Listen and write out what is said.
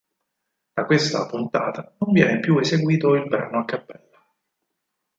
Da questa puntata non viene più eseguito il brano a cappella.